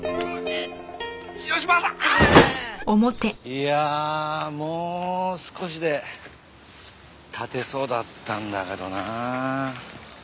いやもう少しで立てそうだったんだけどな。